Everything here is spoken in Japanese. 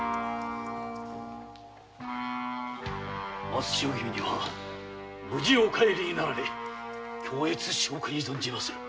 松千代君には無事お帰りになられ恐悦至極に存じまする。